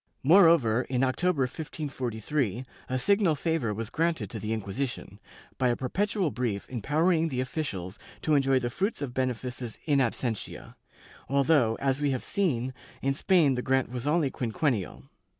Moreover, in October, 1543, a signal favor was granted to the Inquisition, by a perpetual brief empowering the officials to enjoy the fruits of benefices in absentia, although, as we have seen, in Spain the grant was only quinquennial.